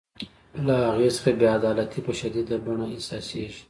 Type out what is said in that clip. له هغې څخه بې عدالتي په شدیده بڼه احساسیږي.